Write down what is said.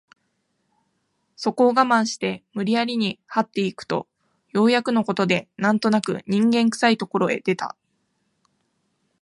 そこを我慢して無理やりに這って行くとようやくの事で何となく人間臭い所へ出た